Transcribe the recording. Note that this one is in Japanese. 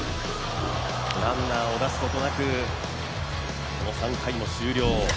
ランナーを出すことなく、３回も終了。